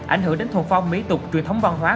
ảnh hưởng đến thuần phong mỹ tục truyền thống văn hóa